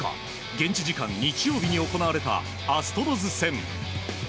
現地時間、日曜日に行われたアストロズ戦。